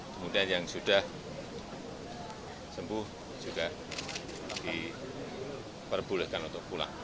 kemudian yang sudah sembuh juga diperbolehkan untuk pulang